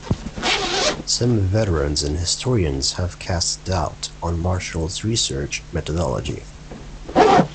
Some veterans and historians have cast doubt on Marshall's research methodology.